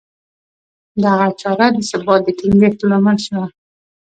دغه چاره د ثبات د ټینګښت لامل شوه